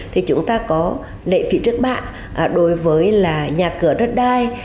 thì chúng ta có lệ phí chức bạ đối với nhà cửa đất đai